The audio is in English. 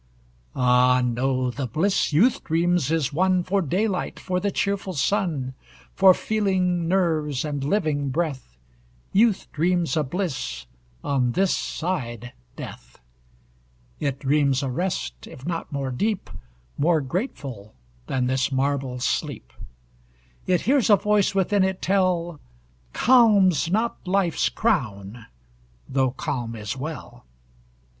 Ah no, the bliss youth dreams is one For daylight, for the cheerful sun, For feeling nerves and living breath Youth dreams a bliss on this side death. It dreams a rest, if not more deep, More grateful than this marble sleep; It hears a voice within it tell: _Calms not life's crown, though calm is well.